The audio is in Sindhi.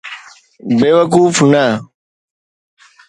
بيوقوف نه.